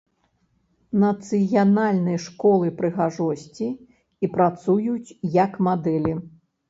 Нацыянальнай школы прыгажосці і працуюць як мадэлі.